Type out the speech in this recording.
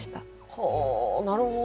ほうなるほど。